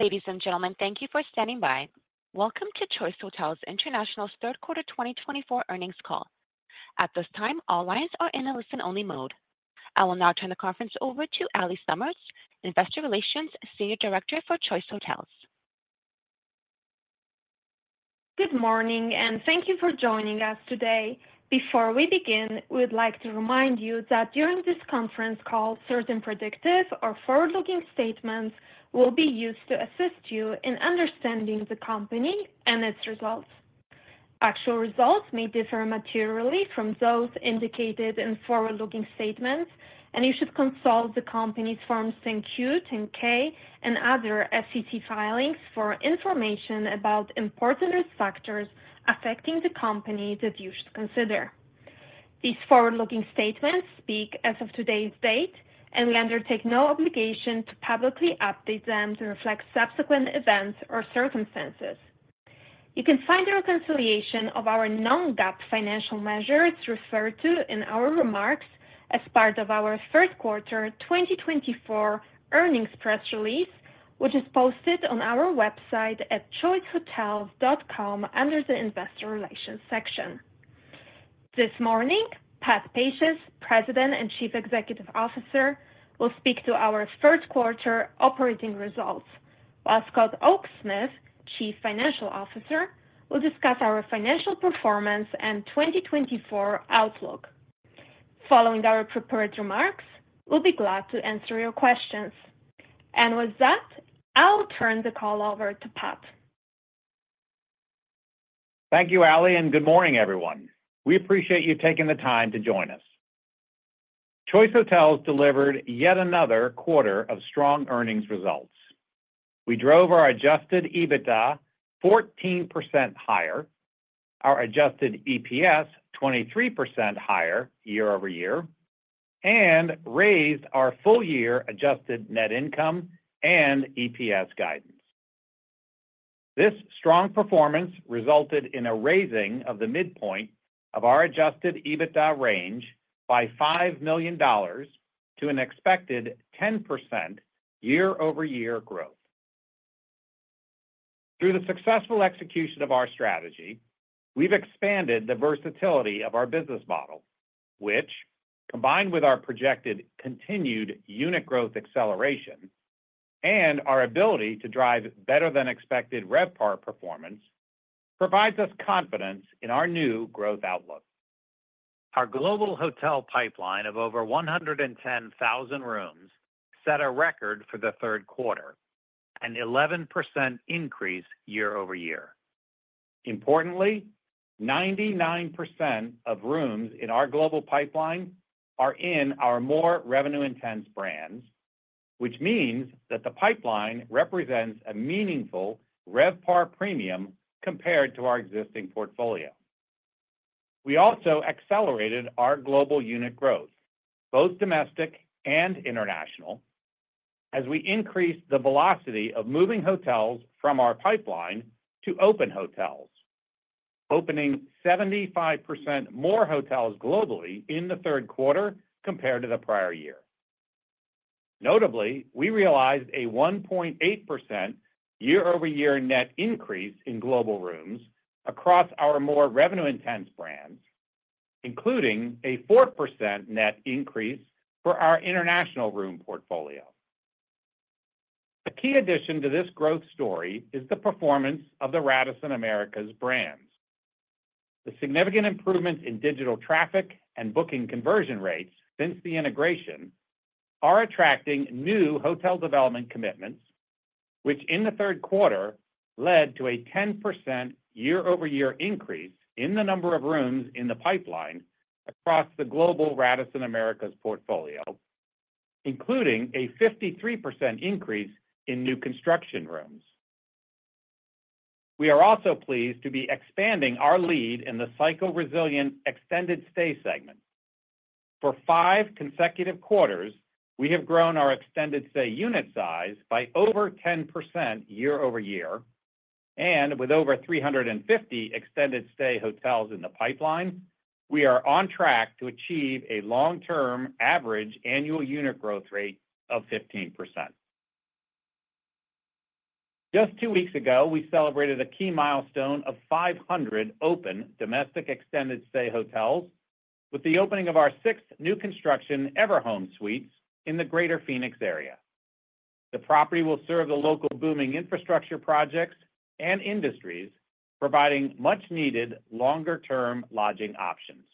Ladies and gentlemen, thank you for standing by. Welcome to Choice Hotels International's Third Quarter 2024 Earnings Call. At this time, all lines are in a listen-only mode. I will now turn the conference over to Allie Summers, Investor Relations Senior Director for Choice Hotels. Good morning, and thank you for joining us today. Before we begin, we'd like to remind you that during this conference call, certain predictive or forward-looking statements will be used to assist you in understanding the company and its results. Actual results may differ materially from those indicated in forward-looking statements, and you should consult the company's Forms 10-Q, 10-K, and other SEC filings for information about important risk factors affecting the company that you should consider. These forward-looking statements speak as of today's date, and we undertake no obligation to publicly update them to reflect subsequent events or circumstances. You can find the reconciliation of our non-GAAP financial measures referred to in our remarks as part of our third quarter 2024 earnings press release, which is posted on our website at choicehotels.com under the Investor Relations section. This morning, Pat Pacious, President and Chief Executive Officer, will speak to our third-quarter operating results, while Scott Oaksmith, Chief Financial Officer, will discuss our financial performance and 2024 outlook. Following our prepared remarks, we'll be glad to answer your questions. And with that, I'll turn the call over to Pat. Thank you, Allie, and good morning, everyone. We appreciate you taking the time to join us. Choice Hotels delivered yet another quarter of strong earnings results. We drove our adjusted EBITDA 14% higher, our adjusted EPS 23% higher year-over-year, and raised our full-year adjusted net income and EPS guidance. This strong performance resulted in a raising of the midpoint of our adjusted EBITDA range by $5 million to an expected 10% year-over-year growth. Through the successful execution of our strategy, we've expanded the versatility of our business model, which, combined with our projected continued unit growth acceleration and our ability to drive better-than-expected RevPAR performance, provides us confidence in our new growth outlook. Our global hotel pipeline of over 110,000 rooms set a record for the third quarter, an 11% increase year-over-year. Importantly, 99% of rooms in our global pipeline are in our more revenue-intense brands, which means that the pipeline represents a meaningful RevPAR premium compared to our existing portfolio. We also accelerated our global unit growth, both domestic and international, as we increased the velocity of moving hotels from our pipeline to open hotels, opening 75% more hotels globally in the third quarter compared to the prior year. Notably, we realized a 1.8% year-over-year net increase in global rooms across our more revenue-intense brands, including a 4% net increase for our international room portfolio. A key addition to this growth story is the performance of the Radisson Americas brands. The significant improvements in digital traffic and booking conversion rates since the integration are attracting new hotel development commitments, which in the third quarter led to a 10% year-over-year increase in the number of rooms in the pipeline across the global Radisson Americas portfolio, including a 53% increase in new construction rooms. We are also pleased to be expanding our lead in the cycle-resilient extended stay segment. For five consecutive quarters, we have grown our extended stay unit size by over 10% year-over-year, and with over 350 extended stay hotels in the pipeline, we are on track to achieve a long-term average annual unit growth rate of 15%. Just two weeks ago, we celebrated a key milestone of 500 open domestic extended stay hotels with the opening of our sixth new construction Everhome Suites in the greater Phoenix area. The property will serve the local booming infrastructure projects and industries, providing much-needed longer-term lodging options.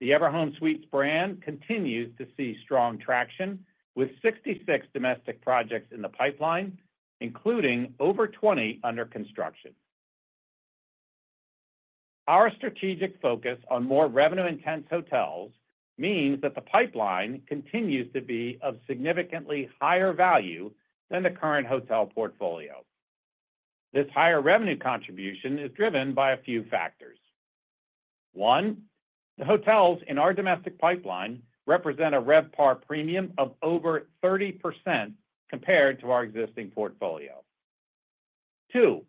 The Everhome Suites brand continues to see strong traction with 66 domestic projects in the pipeline, including over 20 under construction. Our strategic focus on more revenue-intense hotels means that the pipeline continues to be of significantly higher value than the current hotel portfolio. This higher revenue contribution is driven by a few factors. One, the hotels in our domestic pipeline represent a RevPAR premium of over 30% compared to our existing portfolio. Two,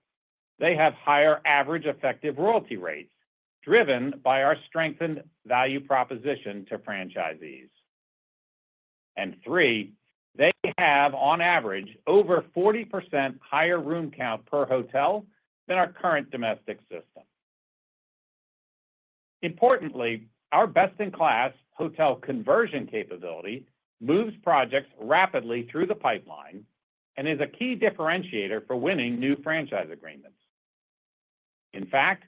they have higher average effective royalty rates, driven by our strengthened value proposition to franchisees. And three, they have, on average, over 40% higher room count per hotel than our current domestic system. Importantly, our best-in-class hotel conversion capability moves projects rapidly through the pipeline and is a key differentiator for winning new franchise agreements. In fact,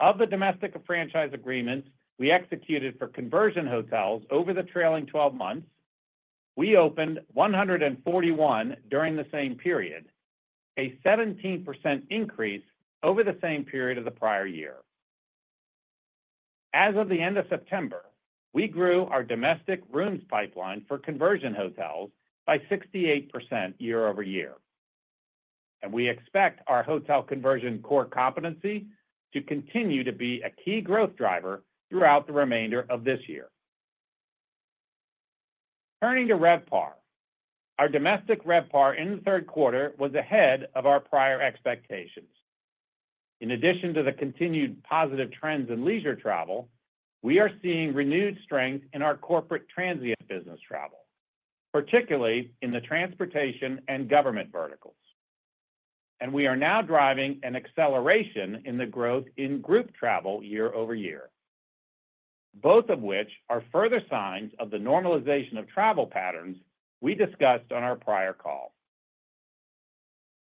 of the domestic franchise agreements we executed for conversion hotels over the trailing 12 months, we opened 141 during the same period, a 17% increase over the same period of the prior year. As of the end of September, we grew our domestic rooms pipeline for conversion hotels by 68% year-over-year, and we expect our hotel conversion core competency to continue to be a key growth driver throughout the remainder of this year. Turning to RevPAR, our domestic RevPAR in the third quarter was ahead of our prior expectations. In addition to the continued positive trends in leisure travel, we are seeing renewed strength in our corporate transient business travel, particularly in the transportation and government verticals. We are now driving an acceleration in the growth in group travel year-over-year, both of which are further signs of the normalization of travel patterns we discussed on our prior call.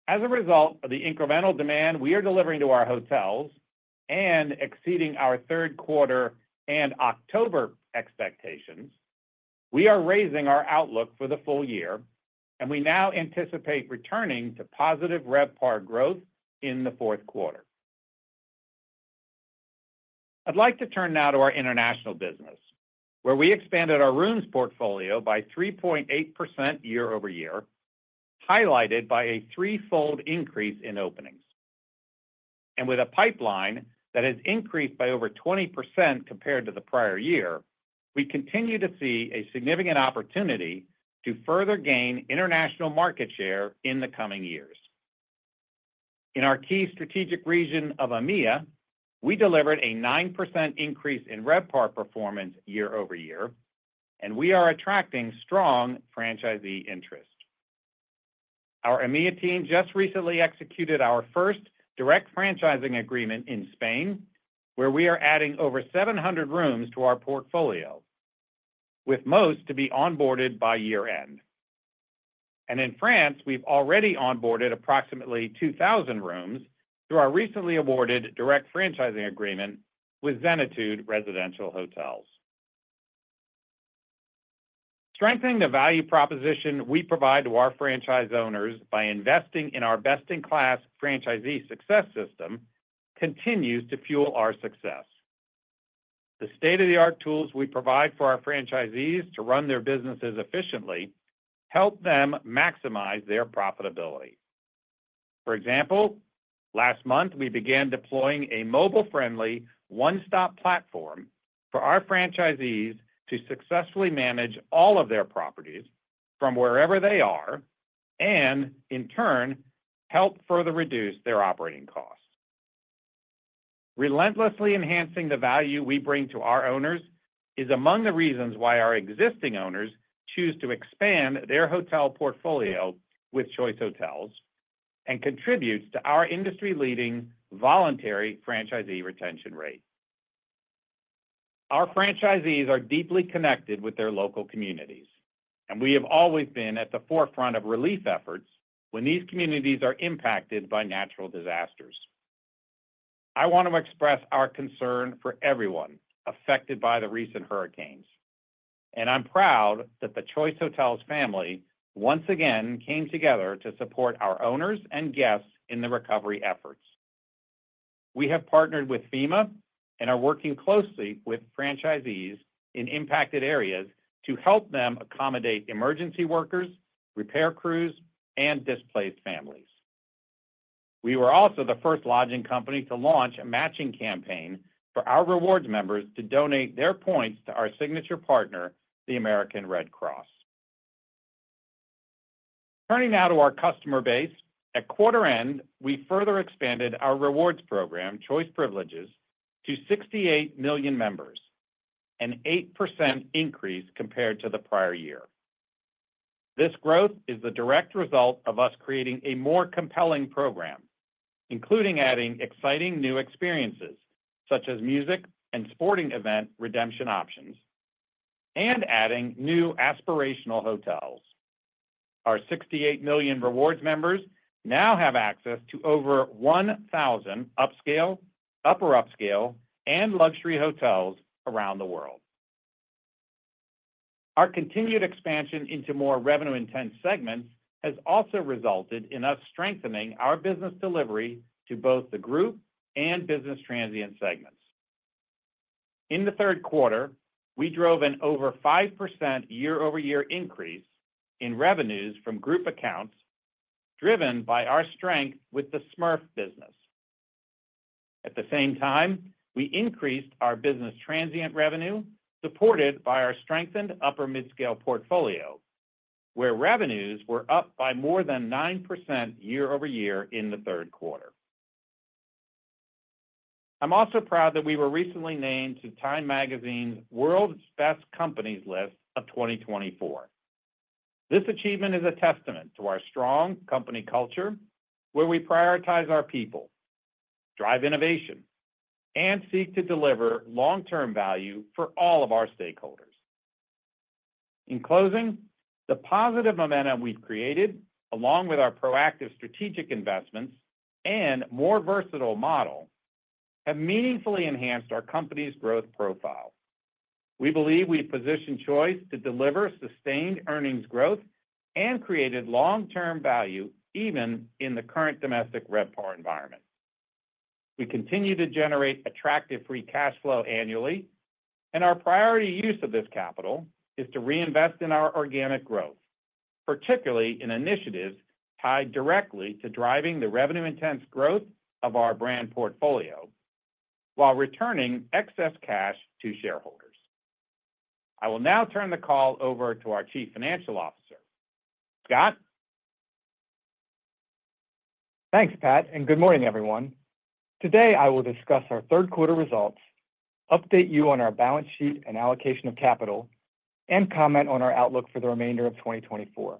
As a result of the incremental demand we are delivering to our hotels and exceeding our third quarter and October expectations, we are raising our outlook for the full year, and we now anticipate returning to positive RevPAR growth in the fourth quarter. I'd like to turn now to our international business, where we expanded our rooms portfolio by 3.8% year-over-year, highlighted by a threefold increase in openings. With a pipeline that has increased by over 20% compared to the prior year, we continue to see a significant opportunity to further gain international market share in the coming years. In our key strategic region of EMEA, we delivered a 9% increase in RevPAR performance year-over-year, and we are attracting strong franchisee interest. Our EMEA team just recently executed our first direct franchising agreement in Spain, where we are adding over 700 rooms to our portfolio, with most to be onboarded by year-end. And in France, we've already onboarded approximately 2,000 rooms through our recently awarded direct franchising agreement with Zenitude Hôtel-Résidences. Strengthening the value proposition we provide to our franchise owners by investing in our best-in-class franchisee success system continues to fuel our success. The state-of-the-art tools we provide for our franchisees to run their businesses efficiently help them maximize their profitability. For example, last month, we began deploying a mobile-friendly one-stop platform for our franchisees to successfully manage all of their properties from wherever they are and, in turn, help further reduce their operating costs. Relentlessly enhancing the value we bring to our owners is among the reasons why our existing owners choose to expand their hotel portfolio with Choice Hotels and contributes to our industry-leading voluntary franchisee retention rate. Our franchisees are deeply connected with their local communities, and we have always been at the forefront of relief efforts when these communities are impacted by natural disasters. I want to express our concern for everyone affected by the recent hurricanes, and I'm proud that the Choice Hotels family once again came together to support our owners and guests in the recovery efforts. We have partnered with FEMA and are working closely with franchisees in impacted areas to help them accommodate emergency workers, repair crews, and displaced families. We were also the first lodging company to launch a matching campaign for our rewards members to donate their points to our signature partner, the American Red Cross. Turning now to our customer base, at quarter-end, we further expanded our rewards program, Choice Privileges, to 68 million members, an 8% increase compared to the prior year. This growth is the direct result of us creating a more compelling program, including adding exciting new experiences such as music and sporting event redemption options and adding new aspirational hotels. Our 68 million rewards members now have access to over 1,000 Upper Upscale and luxury hotels around the world. Our continued expansion into more revenue-intense segments has also resulted in us strengthening our business delivery to both the group and business transient segments. In the third quarter, we drove an over 5% year-over-year increase in revenues from group accounts, driven by our strength with the SMERF business. At the same time, we increased our business transient revenue supported by our strengthened Upper Midscale portfolio, where revenues were up by more than 9% year-over-year in the third quarter. I'm also proud that we were recently named to Time Magazine's World's Best Companies List of 2024. This achievement is a testament to our strong company culture, where we prioritize our people, drive innovation, and seek to deliver long-term value for all of our stakeholders. In closing, the positive momentum we've created, along with our proactive strategic investments and more versatile model, have meaningfully enhanced our company's growth profile. We believe we've positioned Choice to deliver sustained earnings growth and created long-term value even in the current domestic RevPAR environment. We continue to generate attractive free cash flow annually, and our priority use of this capital is to reinvest in our organic growth, particularly in initiatives tied directly to driving the revenue-intensive growth of our brand portfolio while returning excess cash to shareholders. I will now turn the call over to our Chief Financial Officer, Scott. Thanks, Pat, and good morning, everyone. Today, I will discuss our third-quarter results, update you on our balance sheet and allocation of capital, and comment on our outlook for the remainder of 2024.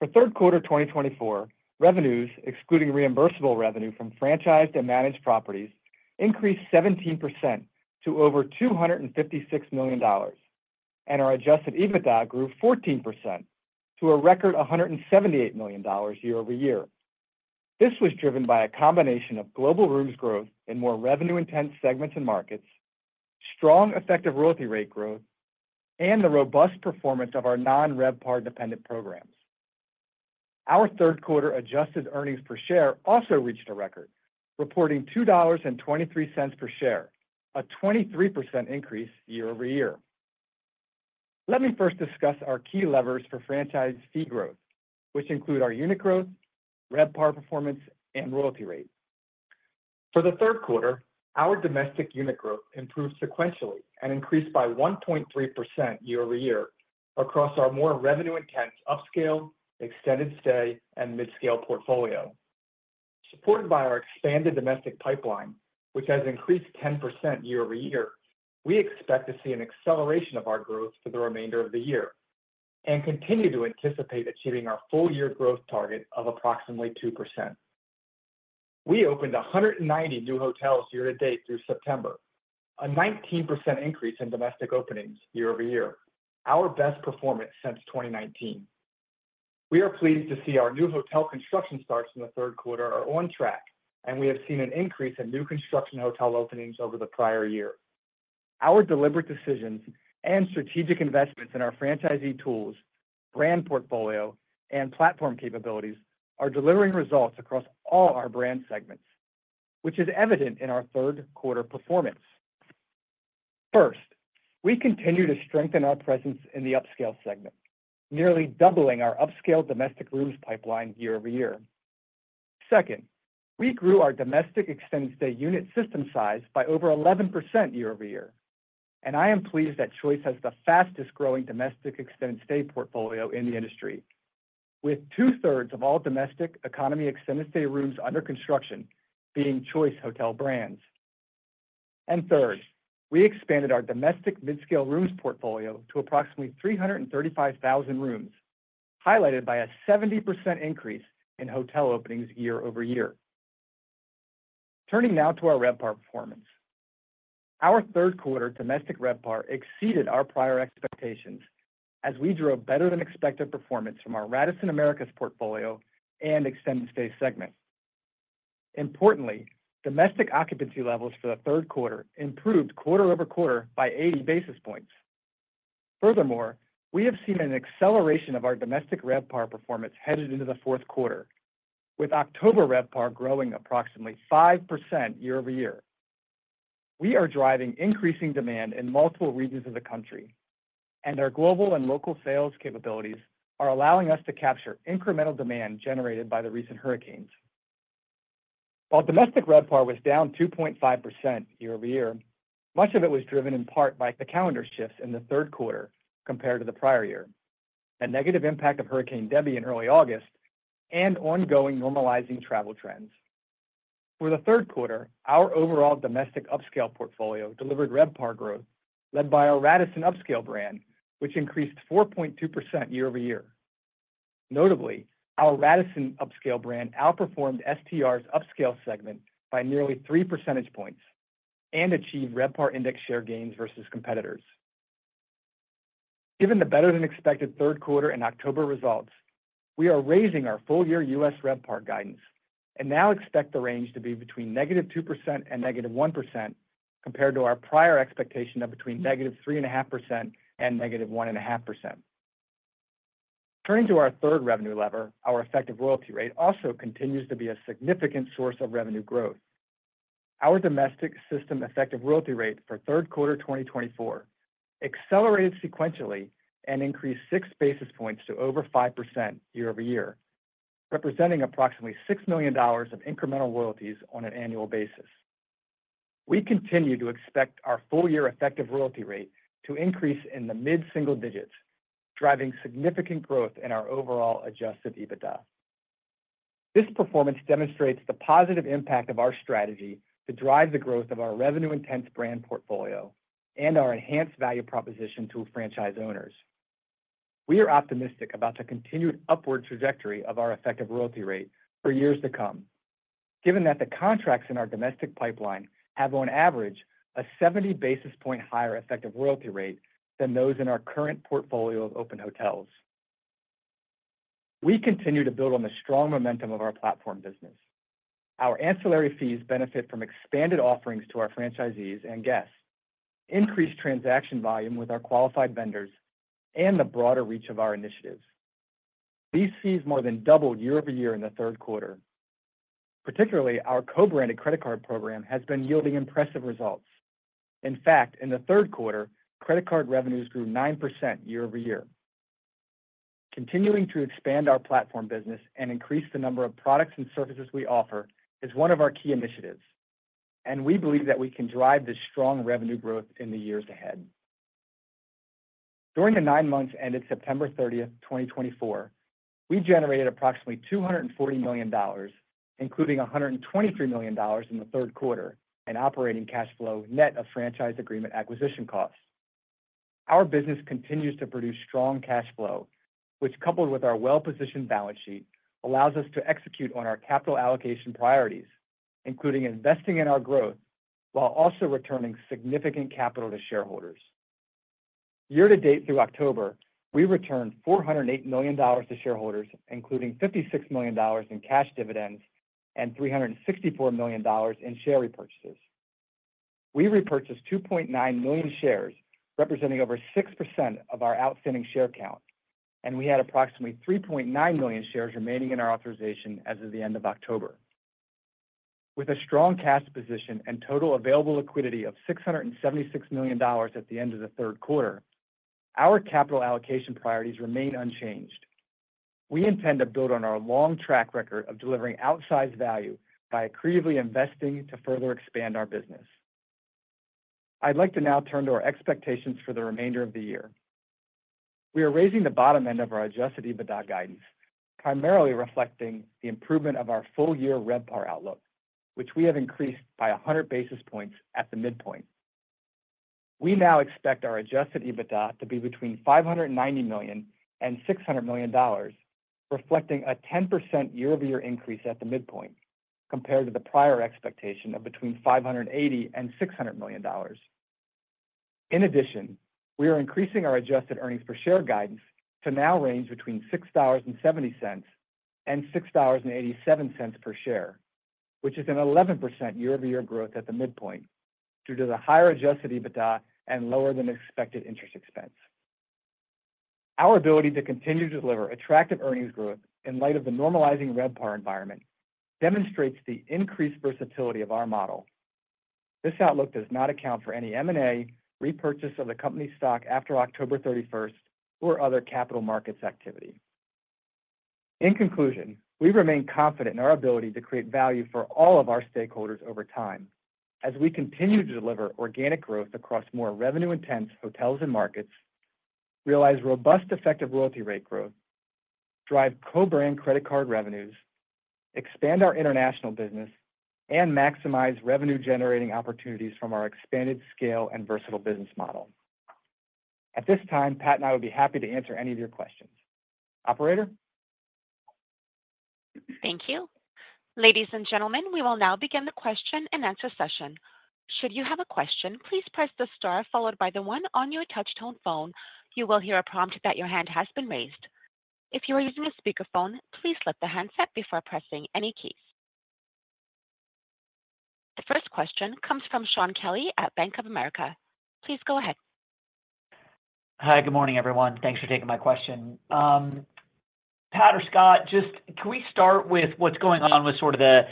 For third quarter 2024, revenues, excluding reimbursable revenue from franchised and managed properties, increased 17% to over $256 million, and our adjusted EBITDA grew 14% to a record $178 million year-over-year. This was driven by a combination of global rooms growth in more revenue-intense segments and markets, strong effective royalty rate growth, and the robust performance of our non-RevPAR dependent programs. Our third-quarter adjusted earnings per share also reached a record, reporting $2.23 per share, a 23% increase year-over-year. Let me first discuss our key levers for franchise fee growth, which include our unit growth, RevPAR performance, and royalty rate. For the third quarter, our domestic unit growth improved sequentially and increased by 1.3% year-over-year across our more revenue-intense Upscale, extended stay, and MidscalE portfolio. Supported by our expanded domestic pipeline, which has increased 10% year-over-year, we expect to see an acceleration of our growth for the remainder of the year and continue to anticipate achieving our full-year growth target of approximately 2%. We opened 190 new hotels year-to-date through September, a 19% increase in domestic openings year-over-year, our best performance since 2019. We are pleased to see our new hotel construction starts in the third quarter are on track, and we have seen an increase in new construction hotel openings over the prior year. Our deliberate decisions and strategic investments in our franchisee tools, brand portfolio, and platform capabilities are delivering results across all our brand segments, which is evident in our third-quarter performance. First, we continue to strengthen our presence in the Upscale segment, nearly doubling our Upscale domestic rooms pipeline year-over-year. Second, we grew our domestic extended stay unit system size by over 11% year-over-year, and I am pleased that Choice has the fastest-growing domestic extended stay portfolio in the industry, with two-thirds of all domestic economy extended stay rooms under construction being Choice Hotels brands. And third, we expanded our domestic mid-scale rooms portfolio to approximately 335,000 rooms, highlighted by a 70% increase in hotel openings year-over-year. Turning now to our RevPAR performance, our third-quarter domestic RevPAR exceeded our prior expectations as we drove better-than-expected performance from our Radisson Americas portfolio and extended stay segment. Importantly, domestic occupancy levels for the third quarter improved quarter-over-quarter by 80 basis points. Furthermore, we have seen an acceleration of our domestic RevPAR performance headed into the fourth quarter, with October RevPAR growing approximately 5% year-over-year. We are driving increasing demand in multiple regions of the country, and our global and local sales capabilities are allowing us to capture incremental demand generated by the recent hurricanes. While domestic RevPAR was down 2.5% year-over-year, much of it was driven in part by the calendar shifts in the third quarter compared to the prior year, the negative impact of Hurricane Debby in early August, and ongoing normalizing travel trends. For the third quarter, our overall domestic Upscale portfolio delivered RevPAR growth led by our Radisson Upscale brand, which increased 4.2% year-over-year. Notably, our Radisson Upscale brand outperformed STR's Upscale segment by nearly 3 percentage points and achieved RevPAR Index share gains versus competitors. Given the better-than-expected third quarter and October results, we are raising our full-year U.S. RevPAR guidance and now expect the range to be between -2% and -1% compared to our prior expectation of between - 3.5% and -1.5%. Turning to our third revenue lever, our effective royalty rate also continues to be a significant source of revenue growth. Our domestic system effective royalty rate for third quarter 2024 accelerated sequentially and increased 6 basis points to over 5% year-over-year, representing approximately $6 million of incremental royalties on an annual basis. We continue to expect our full-year effective royalty rate to increase in the mid-single digits, driving significant growth in our overall Adjusted EBITDA. This performance demonstrates the positive impact of our strategy to drive the growth of our revenue-intense brand portfolio and our enhanced value proposition to franchise owners. We are optimistic about the continued upward trajectory of our effective royalty rate for years to come, given that the contracts in our domestic pipeline have, on average, a 70 basis points higher effective royalty rate than those in our current portfolio of open hotels. We continue to build on the strong momentum of our platform business. Our ancillary fees benefit from expanded offerings to our franchisees and guests, increased transaction volume with our qualified vendors, and the broader reach of our initiatives. These fees more than doubled year-over-year in the third quarter. Particularly, our co-branded credit card program has been yielding impressive results. In fact, in the third quarter, credit card revenues grew 9% year-over-year. Continuing to expand our platform business and increase the number of products and services we offer is one of our key initiatives, and we believe that we can drive this strong revenue growth in the years ahead. During the nine months ended September 30, 2024, we generated approximately $240 million, including $123 million in the third quarter in operating cash flow net of franchise agreement acquisition costs. Our business continues to produce strong cash flow, which, coupled with our well-positioned balance sheet, allows us to execute on our capital allocation priorities, including investing in our growth while also returning significant capital to shareholders. Year-to-date through October, we returned $408 million to shareholders, including $56 million in cash dividends and $364 million in share repurchases. We repurchased 2.9 million shares, representing over 6% of our outstanding share count, and we had approximately 3.9 million shares remaining in our authorization as of the end of October. With a strong cash position and total available liquidity of $676 million at the end of the third quarter, our capital allocation priorities remain unchanged. We intend to build on our long track record of delivering outsized value by accretively investing to further expand our business. I'd like to now turn to our expectations for the remainder of the year. We are raising the bottom end of our adjusted EBITDA guidance, primarily reflecting the improvement of our full-year RevPAR outlook, which we have increased by 100 basis points at the midpoint. We now expect our adjusted EBITDA to be between $590 million and $600 million, reflecting a 10% year-over-year increase at the midpoint compared to the prior expectation of between $580 and $600 million. In addition, we are increasing our adjusted earnings per share guidance to now range between $6.70 and $6.87 per share, which is an 11% year-over-year growth at the midpoint due to the higher adjusted EBITDA and lower-than-expected interest expense. Our ability to continue to deliver attractive earnings growth in light of the normalizing RevPAR environment demonstrates the increased versatility of our model. This outlook does not account for any M&A, repurchase of the company stock after October 31, or other capital markets activity. In conclusion, we remain confident in our ability to create value for all of our stakeholders over time as we continue to deliver organic growth across more revenue-intense hotels and markets, realize robust effective royalty rate growth, drive co-brand credit card revenues, expand our international business, and maximize revenue-generating opportunities from our expanded scale and versatile business model. At this time, Pat and I would be happy to answer any of your questions. Operator? Thank you. Ladies and gentlemen, we will now begin the question-and-answer session. Should you have a question, please press the star followed by the one on your touch-tone phone. You will hear a prompt that your hand has been raised. If you are using a speakerphone, please lift the handset before pressing any keys. The first question comes from Shaun Kelly at Bank of America. Please go ahead. Hi, good morning, everyone. Thanks for taking my question. Pat or Scott, just can we start with what's going on with sort of the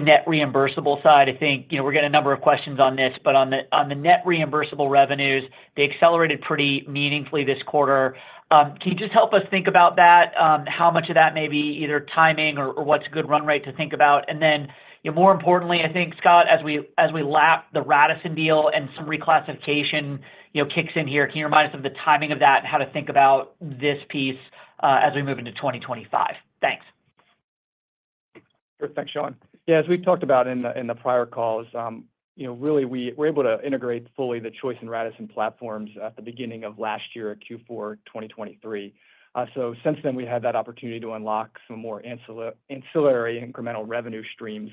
net reimbursable side? I think we're getting a number of questions on this, but on the net reimbursable revenues, they accelerated pretty meaningfully this quarter. Can you just help us think about that? How much of that may be either timing or what's a good run rate to think about? And then, more importantly, I think, Scott, as we lap the Radisson deal and some reclassification kicks in here, can you remind us of the timing of that and how to think about this piece as we move into 2025? Thanks. Perfect, thanks, Shaun. As we've talked about in the prior calls, really, we were able to integrate fully the Choice and Radisson platforms at the beginning of last year at Q4 2023. Since then, we had that opportunity to unlock some more ancillary incremental revenue streams.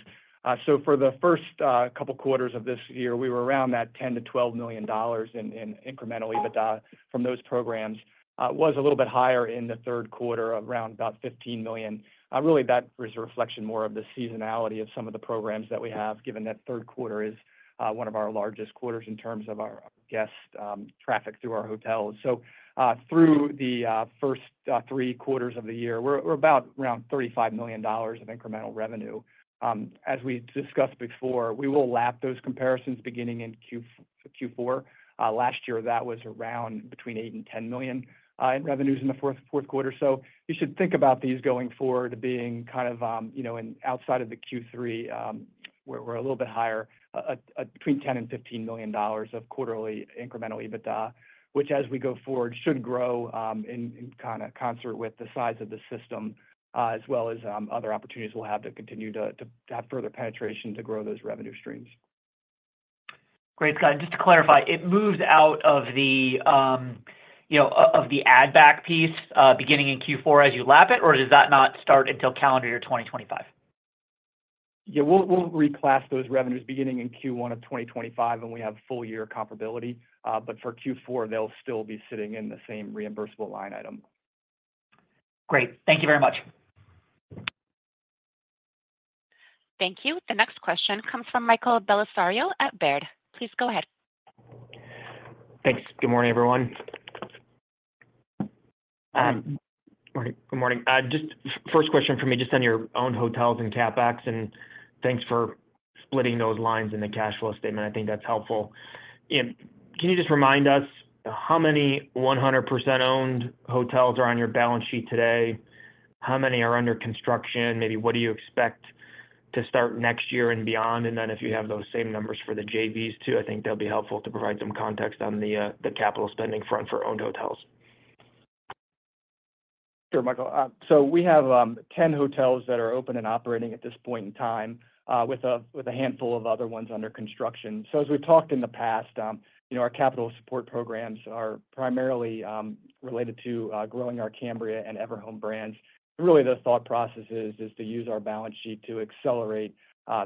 For the first couple of quarters of this year, we were around that $10-$12 million in incremental EBITDA from those programs. It was a little bit higher in the third quarter, around about $15 million. Really, that was a reflection more of the seasonality of some of the programs that we have, given that third quarter is one of our largest quarters in terms of our guest traffic through our hotels. Through the first three quarters of the year, we're about around $35 million of incremental revenue. As we discussed before, we will lap those comparisons beginning in Q4. Last year, that was around between $8 and $10 million in revenues in the fourth quarter. So you should think about these going forward being kind of outside of the Q3, where we're a little bit higher, between $10-$15 million of quarterly incremental EBITDA, which, as we go forward, should grow in kind of concert with the size of the system, as well as other opportunities we'll have to continue to have further penetration to grow those revenue streams. Great, Scott. And just to clarify, it moves out of the add-back piece beginning in Q4 as you lap it, or does that not start until calendar year 2025? We'll reclass those revenues beginning in Q1 of 2025 when we have full-year comparability. But for Q4, they'll still be sitting in the same reimbursable line item. Great. Thank you very much. Thank you. The next question comes from Michael Belisario at Baird. Please go ahead. Thanks. Good morning, everyone. Good morning. Just first question for me, just on your own hotels and CapEx, and thanks for splitting those lines in the cash flow statement. I think that's helpful. Can you just remind us how many 100% owned hotels are on your balance sheet today? How many are under construction? Maybe what do you expect to start next year and beyond? And then if you have those same numbers for the JVs too, I think that'll be helpful to provide some context on the capital spending front for owned hotels. Sure, Michael. We have 10 hotels that are open and operating at this point in time, with a handful of other ones under construction. As we've talked in the past, our capital support programs are primarily related to growing our Cambria and Everhome brands. Really, the thought process is to use our balance sheet to accelerate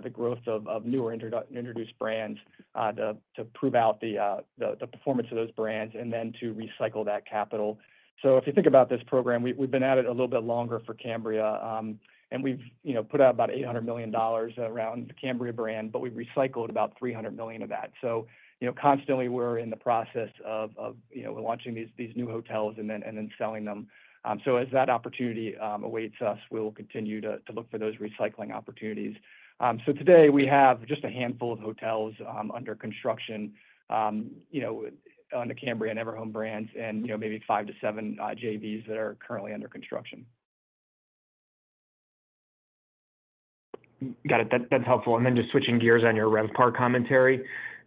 the growth of newer introduced brands to prove out the performance of those brands and then to recycle that capital. If you think about this program, we've been at it a little bit longer for Cambria, and we've put out about $800 million around the Cambria brand, but we've recycled about $300 million of that. Constantly, we're in the process of launching these new hotels and then selling them. As that opportunity awaits us, we'll continue to look for those recycling opportunities. So today, we have just a handful of hotels under construction on the Cambria and Everhome brands and maybe five to seven JVs that are currently under construction. Got it. That's helpful. And then just switching gears on your RevPAR commentary,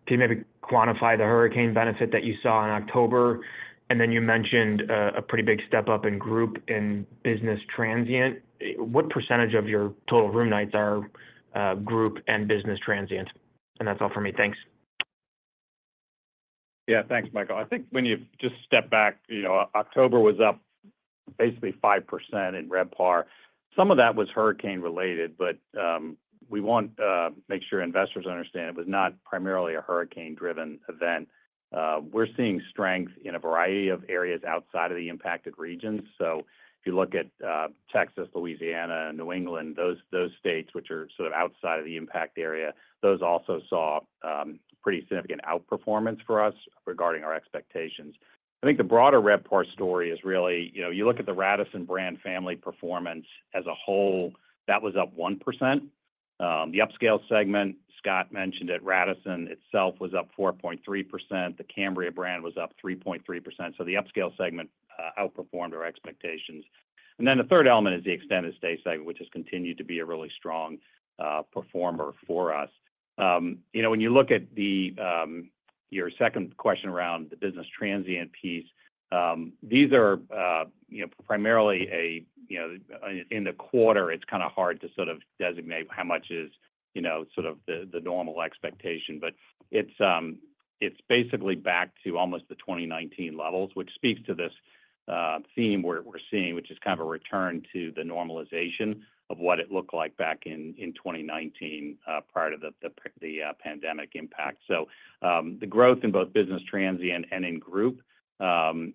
can you maybe quantify the hurricane benefit that you saw in October? And then you mentioned a pretty big step up in group and business transient. What percentage of your total room nights are group and business transient? And that's all for me. Thanks. Thanks, Michael. I think when you just step back, October was up basically 5% in RevPAR. Some of that was hurricane-related, but we want to make sure investors understand it was not primarily a hurricane-driven event. We're seeing strength in a variety of areas outside of the impacted regions. So if you look at Texas, Louisiana, New England, those states, which are sort of outside of the impact area, those also saw pretty significant outperformance for us regarding our expectations. I think the broader RevPAR story is really, you look at the Radisson brand family performance as a whole, that was up 1%. The Upscale segment, Scott mentioned it, Radisson itself was up 4.3%. The Cambria brand was up 3.3%. So the Upscale segment outperformed our expectations, and then the third element is the extended stay segment, which has continued to be a really strong performer for us. When you look at your second question around the business transient piece, these are primarily in the quarter, it's kind of hard to sort of designate how much is sort of the normal expectation, but it's basically back to almost the 2019 levels, which speaks to this theme we're seeing, which is kind of a return to the normalization of what it looked like back in 2019 prior to the pandemic impact. So the growth in both business transient and in group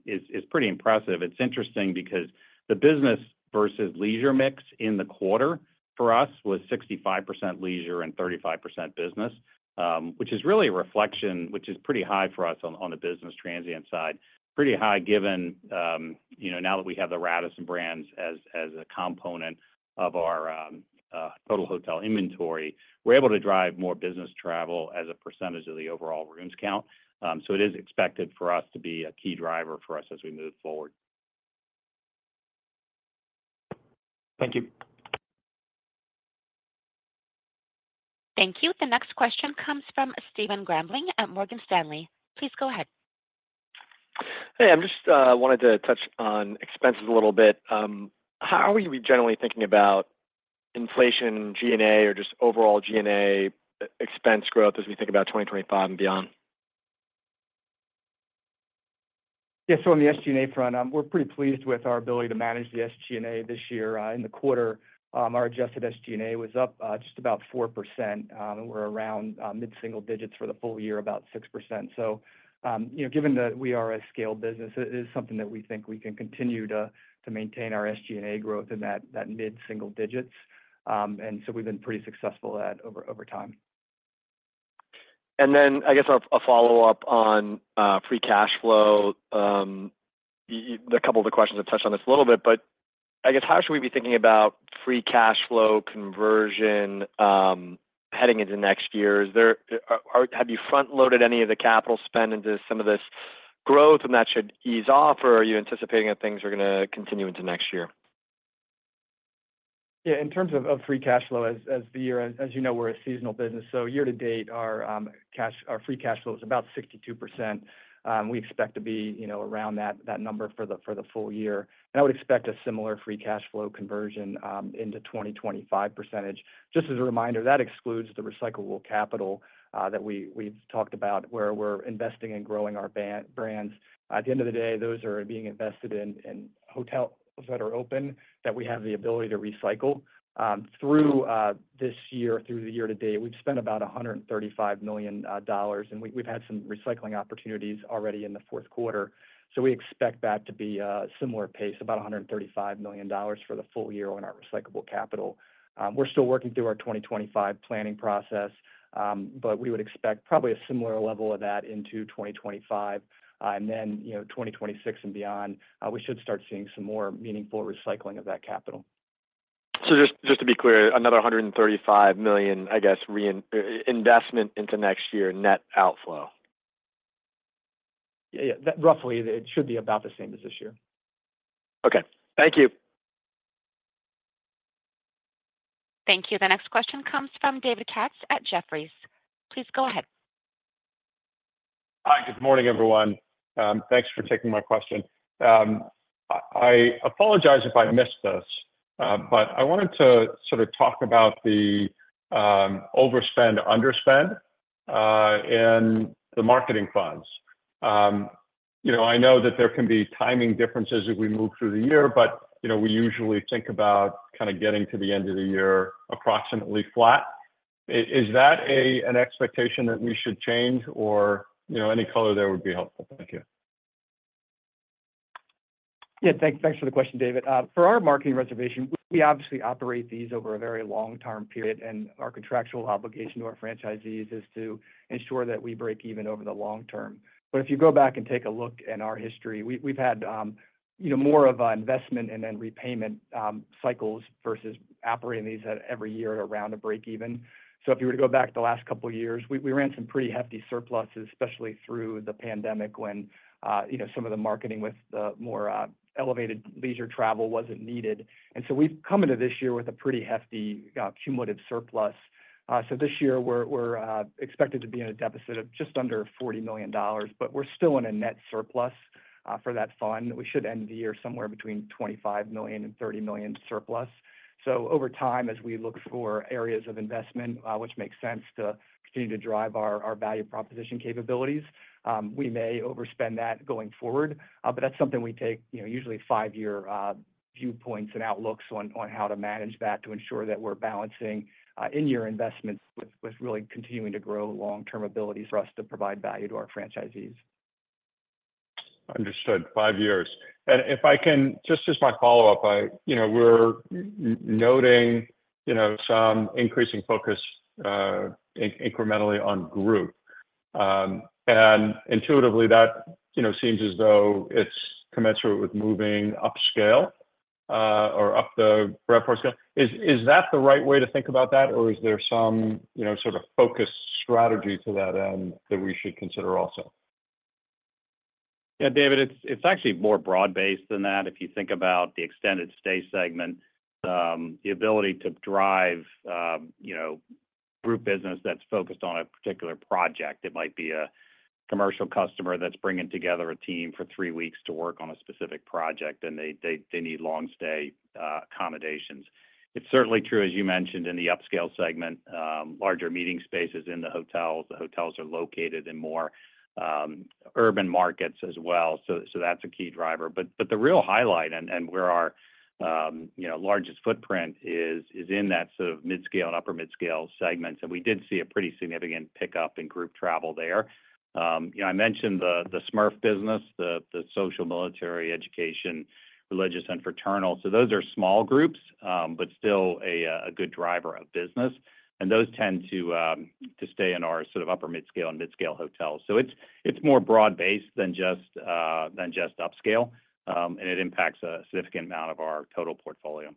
is pretty impressive. It's interesting because the business versus leisure mix in the quarter for us was 65% leisure and 35% business, which is really a reflection, which is pretty high for us on the business transient side. Pretty high given now that we have the Radisson brands as a component of our total hotel inventory, we're able to drive more business travel as a percentage of the overall rooms count. So it is expected for us to be a key driver for us as we move forward. Thank you. Thank you. The next question comes from Stephen Grambling at Morgan Stanley. Please go ahead. Hey, I just wanted to touch on expenses a little bit. How are we generally thinking about inflation, G&A, or just overall G&A expense growth as we think about 2025 and beyond? On the SG&A front, we're pretty pleased with our ability to manage the SG&A this year. In the quarter, our adjusted SG&A was up just about 4%. We're around mid-single digits for the full year, about 6%. So given that we are a scaled business, it is something that we think we can continue to maintain our SG&A growth in that mid-single digits. And so we've been pretty successful at over time. And then I guess a follow-up on free cash flow. A couple of the questions have touched on this a little bit, but I guess how should we be thinking about free cash flow conversion heading into next year? Have you front-loaded any of the capital spend into some of this growth, and that should ease off, or are you anticipating that things are going to continue into next year? In terms of free cash flow, as the year ends, we're a seasonal business. So year to date, our free cash flow is about 62%. We expect to be around that number for the full year. And I would expect a similar free cash flow conversion into 2025 percentage. Just as a reminder, that excludes the recyclable capital that we've talked about where we're investing and growing our brands. At the end of the day, those are being invested in hotels that are open that we have the ability to recycle. Through this year, through the year to date, we've spent about $135 million, and we've had some recycling opportunities already in the fourth quarter. So we expect that to be a similar pace, about $135 million for the full year on our recyclable capital. We're still working through our 2025 planning process, but we would expect probably a similar level of that into 2025, and then 2026 and beyond, we should start seeing some more meaningful recycling of that capital, so just to be clear, another $135 million, I guess, investment into next year, net outflow. Roughly, it should be about the same as this year. Okay. Thank you. Thank you. The next question comes from David Katz at Jefferies. Please go ahead. Hi, good morning, everyone. Thanks for taking my question. I apologize if I missed this, but I wanted to sort of talk about the overspend, underspend in the marketing funds. I know that there can be timing differences as we move through the year, but we usually think about kind of getting to the end of the year approximately flat. Is that an expectation that we should change, or any color there would be helpful? Thank you. Thanks for the question, David. For our marketing reservation, we obviously operate these over a very long-term period, and our contractual obligation to our franchisees is to ensure that we break even over the long term. But if you go back and take a look at our history, we've had more of an investment and then repayment cycles versus operating these every year at around a break-even. So if you were to go back the last couple of years, we ran some pretty hefty surpluses, especially through the pandemic when some of the marketing with the more elevated leisure travel wasn't needed. And so we've come into this year with a pretty hefty cumulative surplus. So this year, we're expected to be in a deficit of just under $40 million, but we're still in a net surplus for that fund. We should end the year somewhere between $25 million and $30 million surplus. So over time, as we look for areas of investment, which makes sense to continue to drive our value proposition capabilities, we may overspend that going forward. But that's something we take usually five-year viewpoints and outlooks on how to manage that to ensure that we're balancing in-year investments with really continuing to grow long-term abilities for us to provide value to our franchisees. Understood. Five years. And if I can just as my follow-up, we're noting some increasing focus incrementally on group. And intuitively, that seems as though it's commensurate with moving upscale or up the RevPAR scale. Is that the right way to think about that, or is there some sort of focus strategy to that end that we should consider also? David, it's actually more broad-based than that. If you think about the extended stay segment, the ability to drive group business that's focused on a particular project. It might be a commercial customer that's bringing together a team for three weeks to work on a specific project, and they need long-stay accommodations. It's certainly true, as you mentioned, in the Upscale segment, larger meeting spaces in the hotels. The hotels are located in more urban markets as well, so that's a key driver, but the real highlight and where our largest footprint is in that sort of mid-scale and upper-mid-scale segments, and we did see a pretty significant pickup in group travel there. I mentioned the SMERF business, the social, military, education, religious, and fraternal. So those are small groups, but still a good driver of business. And those tend to stay in our sort of upper-mid-scale and mid-scale hotels. So it's more broad-based than just upscale, and it impacts a significant amount of our total portfolio.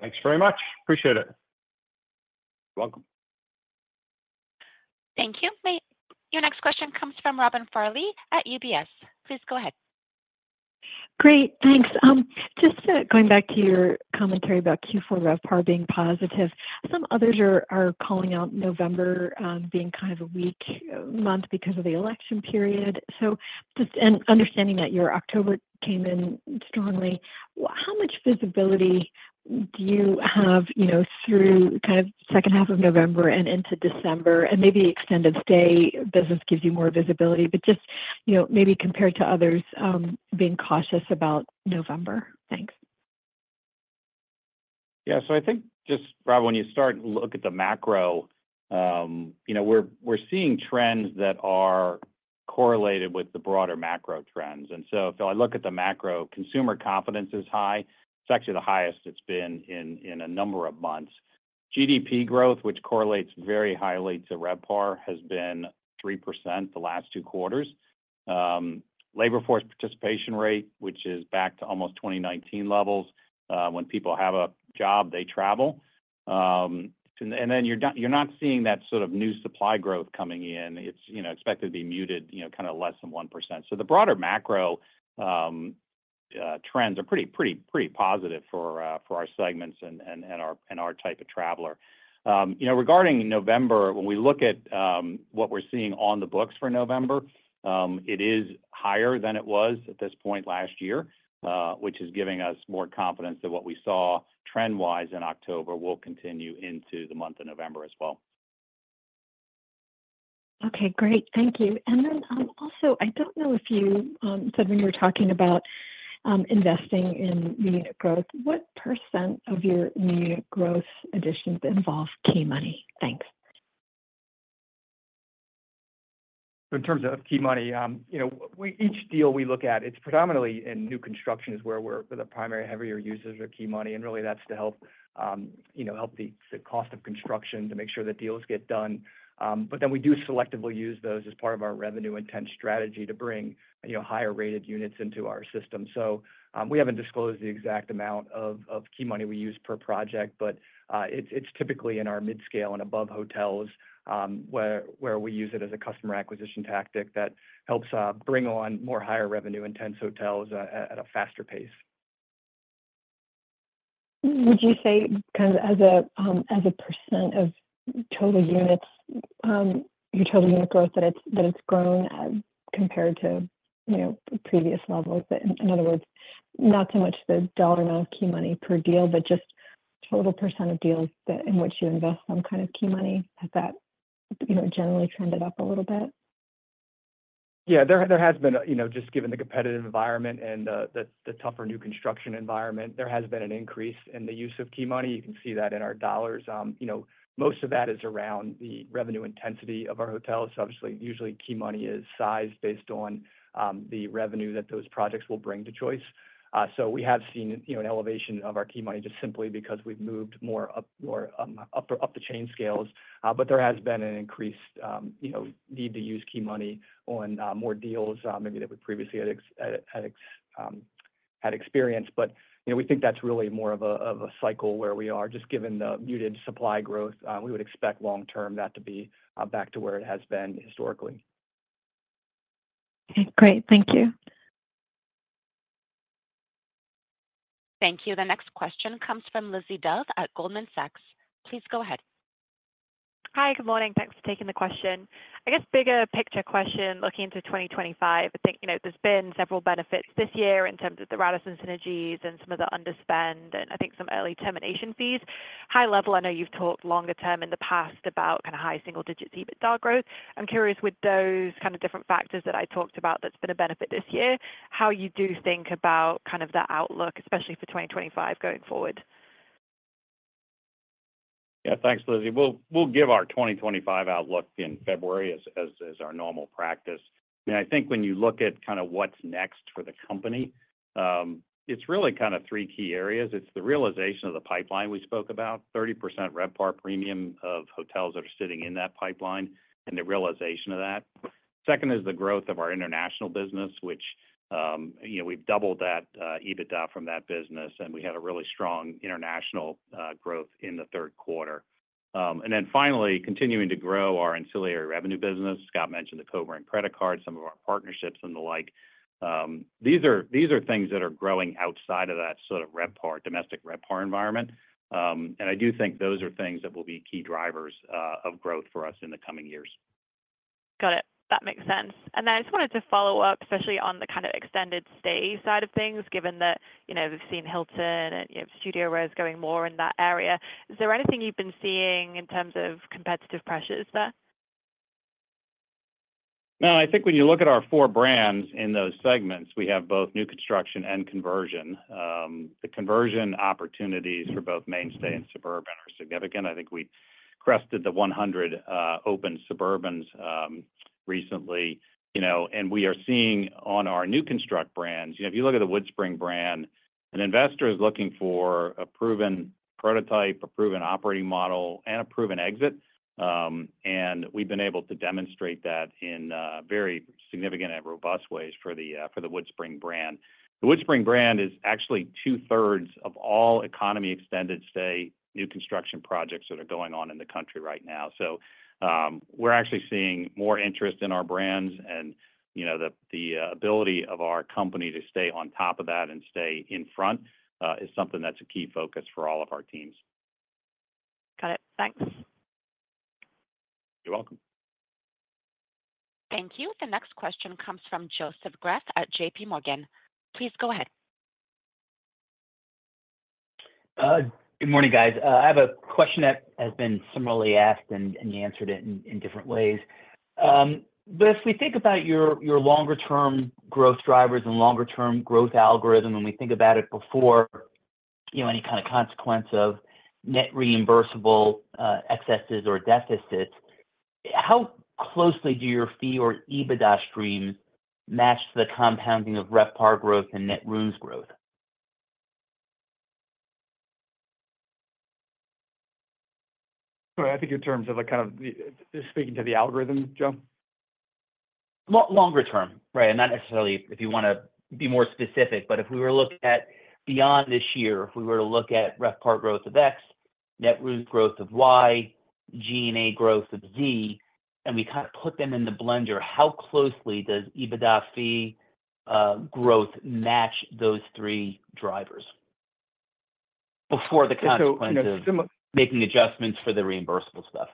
Thanks very much. Appreciate it. You're welcome. Thank you. Your next question comes from Robin Farley at UBS. Please go ahead. Great. Thanks. Just going back to your commentary about Q4 RevPAR being positive, some others are calling out November being kind of a weak month because of the election period. So just understanding that your October came in strongly, how much visibility do you have through kind of second half of November and into December? And maybe extended stay business gives you more visibility, but just maybe compared to others, being cautious about November. Thanks. So I think just, Rob, when you start to look at the macro, we're seeing trends that are correlated with the broader macro trends. And so if I look at the macro, consumer confidence is high. It's actually the highest it's been in a number of months. GDP growth, which correlates very highly to RevPAR, has been 3% the last two quarters. Labor force participation rate, which is back to almost 2019 levels. When people have a job, they travel. And then you're not seeing that sort of new supply growth coming in. It's expected to be muted, kind of less than 1%. So the broader macro trends are pretty positive for our segments and our type of traveler. Regarding November, when we look at what we're seeing on the books for November, it is higher than it was at this point last year, which is giving us more confidence that what we saw trend-wise in October will continue into the month of November as well. Okay. Great. Thank you. And then also, I don't know if you said when you were talking about investing in unit growth, what % of your unit growth additions involve key money? Thanks. In terms of key money, each deal we look at, it's predominantly in new construction is where the primary heavier users are key money. And really, that's to help the cost of construction to make sure that deals get done. But then we do selectively use those as part of our revenue-intent strategy to bring higher-rated units into our system. So we haven't disclosed the exact amount of key money we use per project, but it's typically in our mid-scale and above hotels where we use it as a customer acquisition tactic that helps bring on more higher revenue-intent hotels at a faster pace. Would you say kind of as a % of total units, your total unit growth, that it's grown compared to previous levels? In other words, not so much the dollar amount of key money per deal, but just total % of deals in which you invest some kind of key money, has that generally trended up a little bit? There has been, just given the competitive environment and the tougher new construction environment, there has been an increase in the use of key money. You can see that in our dollars. Most of that is around the revenue intensity of our hotels. Obviously, usually key money is sized based on the revenue that those projects will bring to Choice. So we have seen an elevation of our key money just simply because we've moved more up the chain scales. But there has been an increased need to use key money on more deals maybe that we previously had experienced. But we think that's really more of a cycle where we are. Just given the muted supply growth, we would expect long-term that to be back to where it has been historically. Okay. Great. Thank you. Thank you. The next question comes from Lizzie Dove at Goldman Sachs. Please go ahead. Hi. Good morning. Thanks for taking the question. I guess bigger picture question looking to 2025. I think there's been several benefits this year in terms of the Radisson synergies and some of the underspend and I think some early termination fees. High level, I know you've talked longer term in the past about kind of high single-digit suite growth. I'm curious with those kind of different factors that I talked about that's been a benefit this year, how you do think about kind of that outlook, especially for 2025 going forward. Thanks, Lizzie. We'll give our 2025 outlook in February as our normal practice. I mean, I think when you look at kind of what's next for the company, it's really kind of three key areas. It's the realization of the pipeline we spoke about, 30% RevPAR premium of hotels that are sitting in that pipeline, and the realization of that. Second is the growth of our international business, which we've doubled that EBITDA from that business, and we had a really strong international growth in the third quarter. And then finally, continuing to grow our ancillary revenue business. Scott mentioned the co-brand credit card, some of our partnerships, and the like. These are things that are growing outside of that sort of domestic RevPAR environment. I do think those are things that will be key drivers of growth for us in the coming years. Got it. That makes sense. Then I just wanted to follow up, especially on the kind of extended stay side of things, given that we've seen Hilton and StudioRes going more in that area. Is there anything you've been seeing in terms of competitive pressures there? No. I think when you look at our four brands in those segments, we have both new construction and conversion. The conversion opportunities for both MainStay and Suburban are significant. I think we crossed the 100 open Suburbans recently. We are seeing on our new construction brands, if you look at the WoodSpring brand, an investor is looking for a proven prototype, a proven operating model, and a proven exit. And we've been able to demonstrate that in very significant and robust ways for the WoodSpring brand. The WoodSpring brand is actually two-thirds of all economy extended stay new construction projects that are going on in the country right now. So we're actually seeing more interest in our brands, and the ability of our company to stay on top of that and stay in front is something that's a key focus for all of our teams. Got it. Thanks. You're welcome. Thank you. The next question comes from Joseph Greff at JPMorgan. Please go ahead. Good morning, guys. I have a question that has been similarly asked, and you answered it in different ways. But if we think about your longer-term growth drivers and longer-term growth algorithm, and we think about it before any kind of consequence of net reimbursable excesses or deficits, how closely do your fee or EBITDA streams match the compounding of RevPAR growth and net rooms growth? Sorry. I think in terms of kind of speaking to the algorithm, Joe? Longer term, right? And not necessarily if you want to be more specific, but if we were to look at beyond this year, if we were to look at RevPAR growth of X, net rooms growth of Y, G&A growth of Z, and we kind of put them in the blender, how closely does EBITDA fee growth match those three drivers before the consequence of making adjustments for the reimbursable stuff?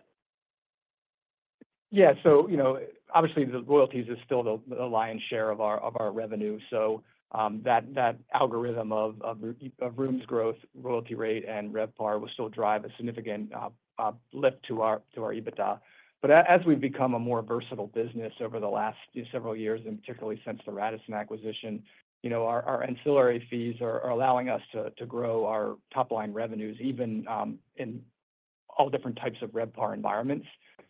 Obviously, the royalties is still the lion's share of our revenue. So that algorithm of rooms growth, royalty rate, and RevPAR will still drive a significant lift to our EBITDA. But as we've become a more versatile business over the last several years, and particularly since the Radisson acquisition, our ancillary fees are allowing us to grow our top-line revenues even in all different types of RevPAR environments.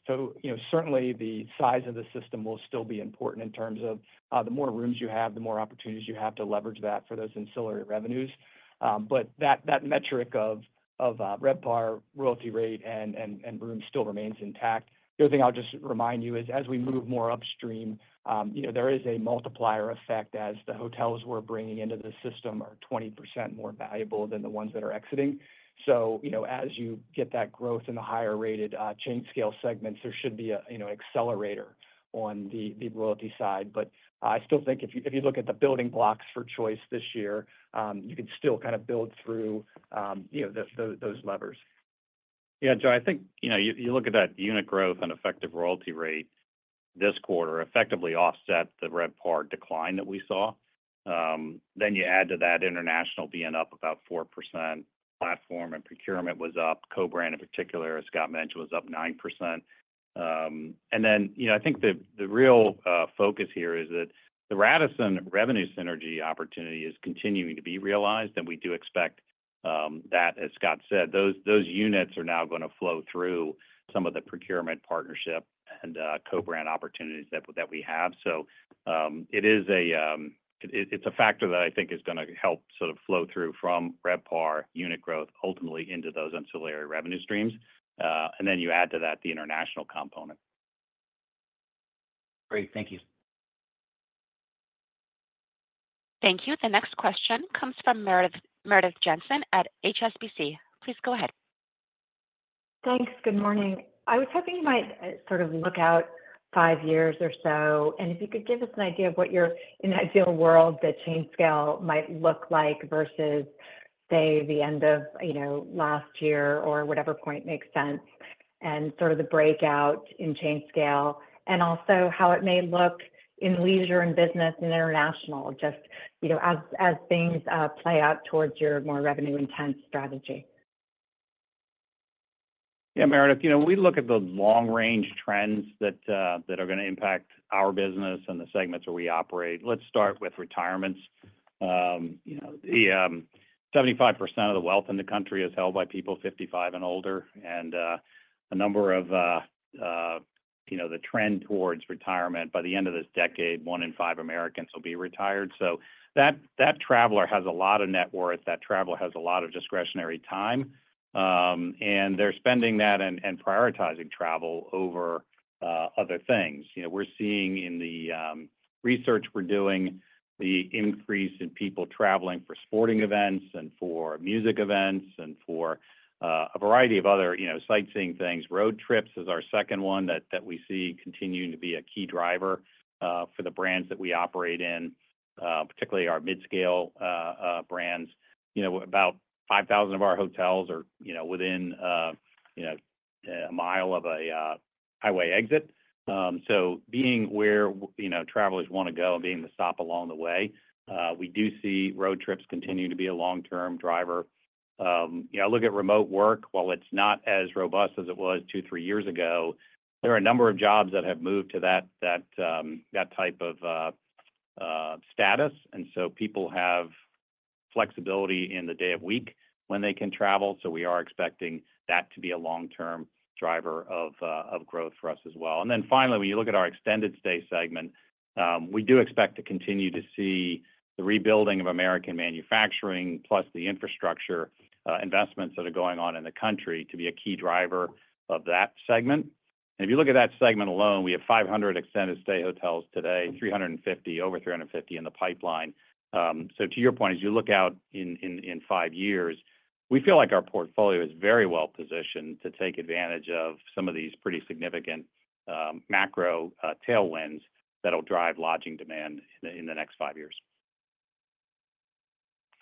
So certainly, the size of the system will still be important in terms of the more rooms you have, the more opportunities you have to leverage that for those ancillary revenues. But that metric of RevPAR, royalty rate, and rooms still remains intact. The other thing I'll just remind you is as we move more upstream, there is a multiplier effect as the hotels we're bringing into the system are 20% more valuable than the ones that are exiting. So as you get that growth in the higher-rated chain scale segments, there should be an accelerator on the royalty side. But I still think if you look at the building blocks for Choice this year, you can still kind of build through those levers. Joe, I think you look at that unit growth and effective royalty rate. This quarter effectively offset the RevPAR decline that we saw. Then you add to that international being up about 4%. Platform and procurement was up. Co-brand, in particular, as Scott mentioned, was up 9%. And then I think the real focus here is that the Radisson revenue synergy opportunity is continuing to be realized. And we do expect that, as Scott said, those units are now going to flow through some of the procurement partnership and co-brand opportunities that we have. So, it's a factor that I think is going to help sort of flow through from RevPAR unit growth ultimately into those ancillary revenue streams. And then you add to that the international component. Great. Thank you. Thank you. The next question comes from Meredith Jensen at HSBC. Please go ahead. Thanks. Good morning. I was hoping you might sort of look out five years or so. And if you could give us an idea of what your, in an ideal world, the chain scale might look like versus, say, the end of last year or whatever point makes sense, and sort of the breakout in chain scale, and also how it may look in leisure and business and international just as things play out towards your more revenue-intensive strategy. Meredith, we look at the long-range trends that are going to impact our business and the segments where we operate. Let's start with retirements. 75% of the wealth in the country is held by people 55 and older, and another of the trends towards retirement, by the end of this decade, one in five Americans will be retired, so that traveler has a lot of net worth. That traveler has a lot of discretionary time, and they're spending that and prioritizing travel over other things. We're seeing in the research we're doing the increase in people traveling for sporting events and for music events and for a variety of other sightseeing things. Road trips is our second one that we see continuing to be a key driver for the brands that we operate in, particularly our midscale brands. About 5,000 of our hotels are within a mile of a highway exit. So being where travelers want to go and being the stop along the way, we do see road trips continue to be a long-term driver. I look at remote work. While it's not as robust as it was two, three years ago, there are a number of jobs that have moved to that type of status. And so people have flexibility in the day of week when they can travel. So we are expecting that to be a long-term driver of growth for us as well. And then finally, when you look at our extended stay segment, we do expect to continue to see the rebuilding of American manufacturing plus the infrastructure investments that are going on in the country to be a key driver of that segment. And if you look at that segment alone, we have 500 extended stay hotels today, over 350 in the pipeline. So to your point, as you look out in five years, we feel like our portfolio is very well positioned to take advantage of some of these pretty significant macro tailwinds that will drive lodging demand in the next five years.